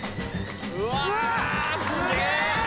うわすげぇ。